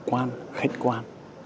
khoan khách quan